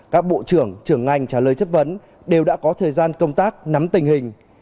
các bộ trưởng trưởng ngành trả lời chất vấn đều đã có thời gian công tác nắm tình hình